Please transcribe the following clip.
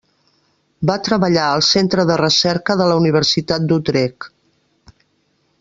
Va treballar al centre de recerca de la universitat d'Utrecht.